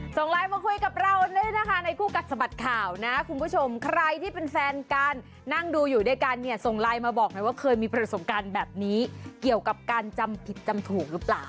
ส่งไลน์มาคุยกับเราด้วยนะคะในคู่กัดสะบัดข่าวนะคุณผู้ชมใครที่เป็นแฟนกันนั่งดูอยู่ด้วยกันเนี่ยส่งไลน์มาบอกหน่อยว่าเคยมีประสบการณ์แบบนี้เกี่ยวกับการจำผิดจำถูกหรือเปล่า